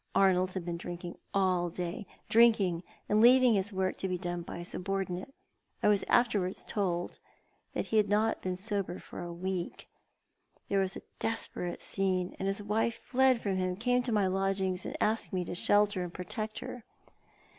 Arnold had been drinking all day — drinking, and leaving his work to be done by a subordinate. I was afterwards told that he had not been sober for a week. There was a desperate scene ; and his wife fled from him, came to my lodgings, and asked me to shelter and protect her.